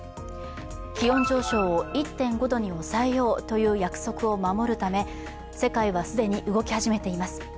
気温上昇を１．５度に抑えようという約束を守るため、世界は既に動き始めています。